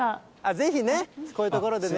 ぜひね、こういう所でね。